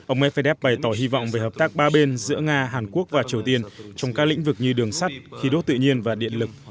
ông medvedev bày tỏ hy vọng về hợp tác ba bên giữa nga hàn quốc và triều tiên trong các lĩnh vực như đường sắt khí đốt tự nhiên và điện lực